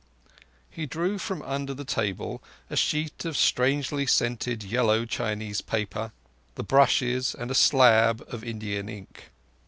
He drew from under the table a sheet of strangely scented yellow Chinese paper, the brushes, and slab of Indian ink.